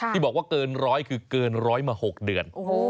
ที่บอกว่าเกินร้อยคือเกินร้อยมา๖เดือน